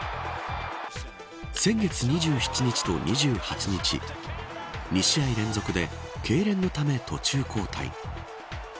先月２７日と２８日２試合連続でけいれんのため途中交代。